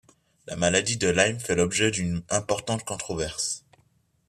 La maladie de Lyme fait l'objet d’une importante controverse.